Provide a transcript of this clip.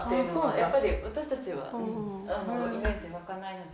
やっぱり私たちはイメージ湧かないので。